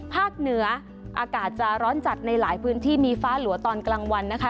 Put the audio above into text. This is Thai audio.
เหนืออากาศจะร้อนจัดในหลายพื้นที่มีฟ้าหลัวตอนกลางวันนะคะ